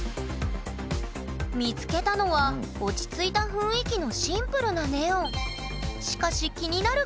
見つけたのは落ち着いた雰囲気のシンプルなネオン。